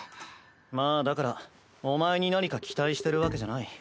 まあだからお前に何か期待してるわけじゃない。